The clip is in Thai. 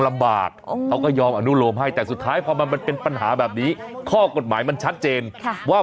เขาก็ยอมอนุโลมให้แต่สุดท้ายพอมันเป็นปัญหาแบบนี้ข้อกฎหมายมันชัดเจนว่า